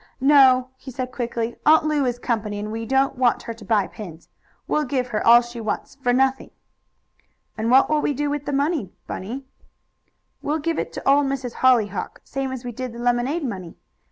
No," he said quickly, "Aunt Lu is company, and we don't want her to buy pins. We'll give her all she wants for nothing." "And what will we do with the money, Bunny?" "We'll give it to Old Miss Hollyhock, same as we did the lemonade money.